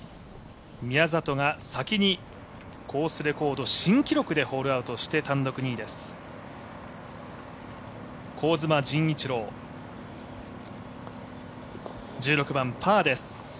宮里が先にコースレコード新記録でホールアウトして単独２位です。